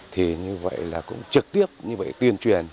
thì như vậy là cũng trực tiếp tuyên truyền